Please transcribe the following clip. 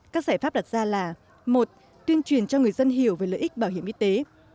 các giải pháp đặt ra là một tuyên truyền cho người dân hiểu về lợi ích bảo hiểm y tế